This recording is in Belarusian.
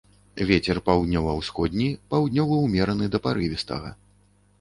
Вецер паўднёва-ўсходні, паўднёвы ўмераны да парывістага.